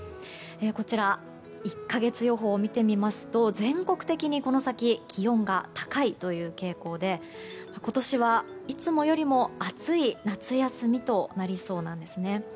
こちら１か月予報を見てみますと全国的にこの先、気温が高いという傾向で今年はいつもよりも暑い夏休みとなりそうなんですね。